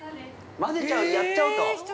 ◆まぜちゃうと、やっちゃうと。